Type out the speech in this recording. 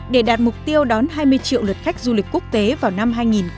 để đạt mục tiêu đón hai mươi triệu lượt khách du lịch quốc tế vào năm hai nghìn hai mươi